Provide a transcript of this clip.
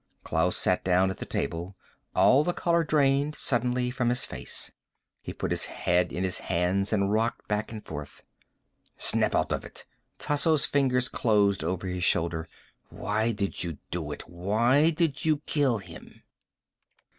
Klaus sat down at the table, all the color drained suddenly from his face. He put his head in his hands and rocked back and forth. "Snap out of it." Tasso's fingers closed over his shoulder. "Why did you do it? Why did you kill him?"